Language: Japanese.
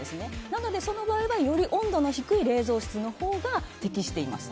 なのでその場合はより温度の低い冷蔵室のほうが適しています。